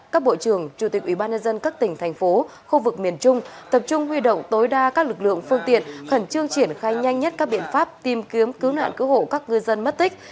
các bộ trưởng chủ tịch ủy ban nhân dân các tỉnh thành phố khu vực miền trung tập trung huy động tối đa các lực lượng phương tiện khẩn trương triển khai nhanh nhất các biện pháp tìm kiếm cứu nạn cứu hộ các người dân mất tích